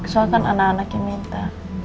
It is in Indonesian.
soal kan anak anak yang minta